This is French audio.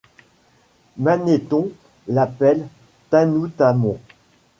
Manéthon l’appelle Tanoutamon.